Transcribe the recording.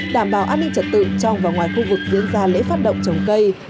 đảm bảo an ninh trật tự trong và ngoài khu vực diễn ra lễ phát động trồng cây